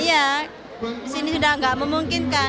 iya sini sudah tidak memungkinkan